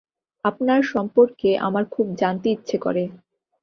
আপনার সম্পর্কে আমার খুব জানতে ইচ্ছে করে।